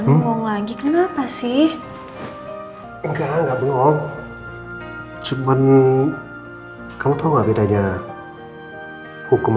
memukul kuang lagi kenapa sih enggak enggak trees cuman kamu tau redanya hukum